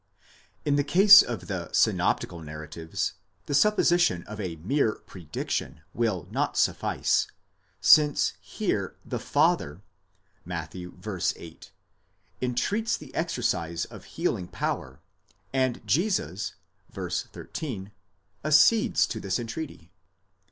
In the case of the synoptical narratives, the supposition of a mere predic tion will not suffice, since here the father (Matt. v. 8) entreats the exercise of healing power, and Jesus (v. 13), accedes to this entreaty.